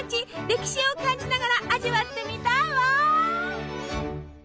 歴史を感じながら味わってみたいわ！